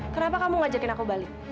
kenapa kamu ngajakin aku balik